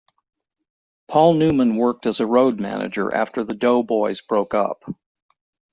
Paul Newman worked as a road manager after the Doughboys broke up.